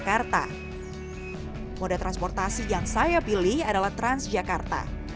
kita akan graoris menuju selatan jakarta